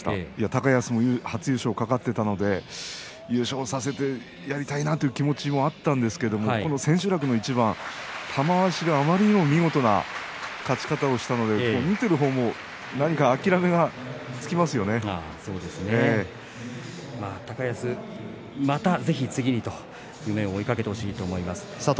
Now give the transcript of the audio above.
高安も初優勝懸かっていたので優勝はさせてやりたいなという気持ちもあったんですが千秋楽の一番玉鷲があまりにも見事な勝ち方をしたので見ている方も高安、またぜひ次にと夢を追いかけてほしいと思います。